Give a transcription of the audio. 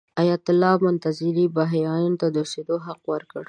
ایت الله منتظري بهايانو ته د اوسېدو حق ورکړ.